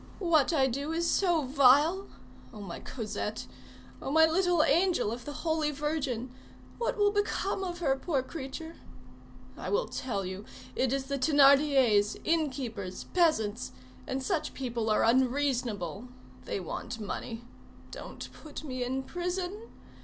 What I do is so vile! Oh, my Cosette! Oh, my little angel of the Holy Virgin! what will become of her, poor creature? I will tell you: it is the Thénardiers, inn keepers, peasants; and such people are unreasonable. They want money. Don't put me in prison!